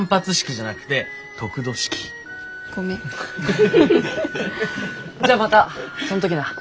じゃあまたそん時な。